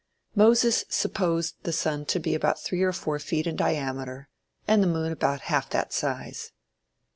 Moses supposed the sun to be about three or four feet in diameter and the moon about half that size.